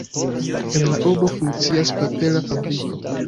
En la urbo funkcias papera fabriko.